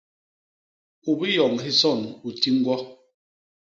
U biyoñ hison u ti ñgwo.